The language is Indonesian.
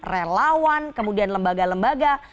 relawan kemudian lembaga lembaga